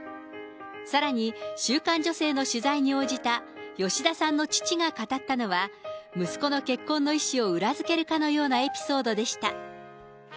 さらに週刊女性の取材に応じた吉田さんの父が語ったのは、息子の結婚の意思を裏付けるかのようなエピソードでした。